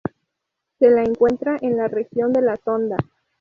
Se la encuentra en la región de la Sonda.